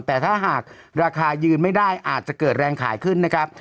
แต่ถ้าหากราคายืนไม่ได้อาจจะเกิดแรงขายขึ้นนะครับ